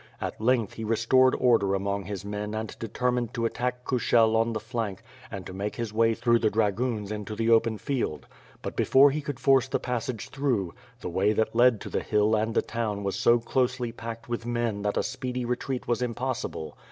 At length he restored order among his men and de termined to attack Kushel on the flank and to make his way through the dragoons into the open field. But before he could force the passage through, the way that led to the hill and the town was so closely packed with men that a speedy retreat was impossible.